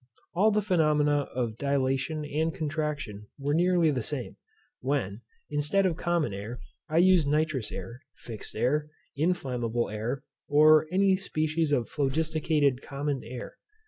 All the phenomena of dilatation and contraction were nearly the same, when, instead of common air, I used nitrous air, fixed air, inflammable air, or any species of phlogisticated common air.